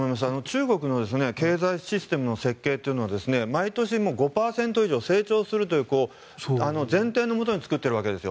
中国の経済システムの設計というのは毎年、５％以上成長するという前提のもとに作っているわけですよ。